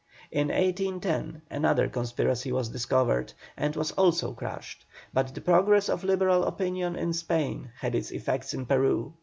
In 1810 another conspiracy was discovered, and was also crushed; but the progress of Liberal opinion in Spain had its effect in Peru.